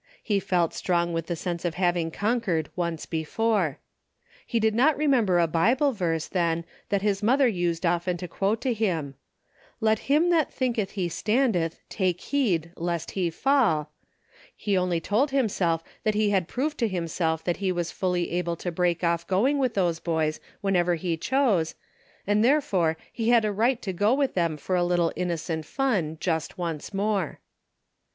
He felt strong with the sense of having conquered once before. He did not remember a Bible verse then that his mother used often to quote to him, " Let him that thinketh he standeth take heed lest he fall," he only told himself that he had proved to himself that he was fully able to break off going with those boys whenever he chose, and therefore he had a right to go with them for a little innocent fun just once more.